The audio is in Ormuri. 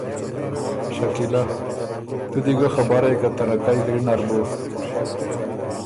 شکیلۀ: تُو دی ګۀ خبر هې که تَرَکئ ګری نر بُو